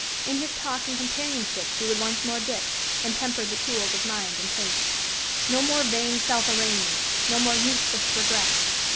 In his talk and companionship she would once more dip and temper the tools of mind and taste. No more vain self arraignment, no more useless regrets.